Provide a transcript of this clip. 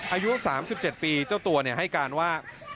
อายุ๓๗ปีเจ้าตัวให้การว่า